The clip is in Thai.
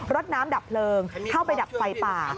รถน้ำดับเพลิงเข้าไปดับไฟป่า